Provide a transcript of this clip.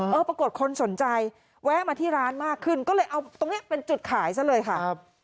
ปรากฏคนสนใจแวะมาที่ร้านมากขึ้นก็เลยเอาตรงนี้เป็นจุดขายซะเลยค่ะ